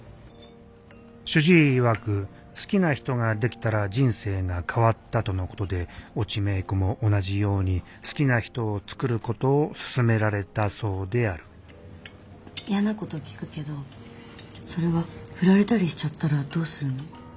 主治医いわく好きな人ができたら人生が変わったとのことで越智芽衣子も同じように好きな人をつくることを勧められたそうであるやなこと聞くけどそれは振られたりしちゃったらどうするの？